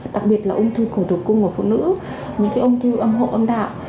đặc biệt là ung thư của tử cung của phụ nữ những cái ung thư âm hộ âm đạo